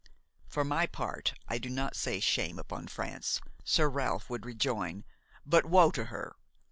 "For my part, I do not say shame upon France," Sir Ralph would rejoin, "but woe to her!